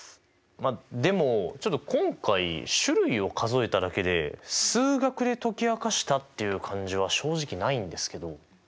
でも今回種類を数えただけで数学で解き明かしたっていう感じは正直ないんですけど。